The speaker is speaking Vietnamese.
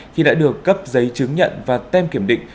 khi đã được cấp giấy chứng nhận và tem kiểm định